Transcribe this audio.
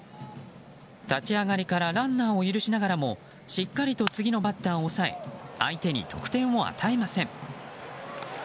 立ち上がりからランナーを許しながらもしっかりと次のバッターを抑え相手に得点を与えません。